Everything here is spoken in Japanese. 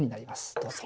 どうぞ。